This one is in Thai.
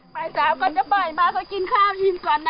ไปสามก็จะไปมาก็กินข้าวกินก่อนนะ